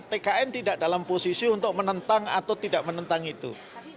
tkn tidak dalam posisi untuk menentang atau tidak menentang itu